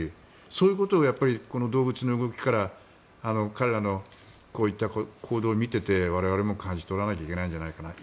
そういったことを動物の動きから彼らのこういった行動を見ていて我々も感じ取らなきゃいけないのではないかなと。